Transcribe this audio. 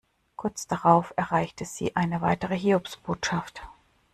Kurz darauf erreichte sie eine weitere Hiobsbotschaft.